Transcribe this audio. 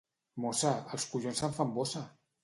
Mossa, els collons em fan bossa!